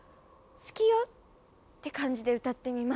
「好きよ」って感じで歌ってみます。